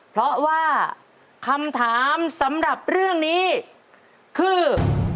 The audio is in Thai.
เพราะว่าคำถามสำหรับเรื่องนี้คือ